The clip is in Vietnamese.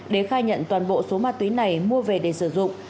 đế khai nhận toàn bộ số ma túy này mua về để sử dụng